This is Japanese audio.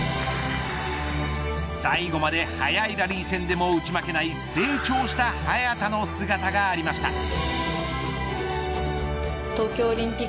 最後まで速いラリー戦でも打ち負けない成長した早田の姿がありました。